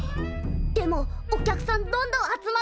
でもお客さんどんどん集まってるよ。